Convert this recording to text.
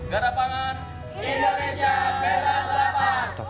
garda pangan indonesia gerdas selamat